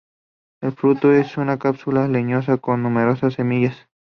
El fruto es una cápsula leñosa con numerosas semillas.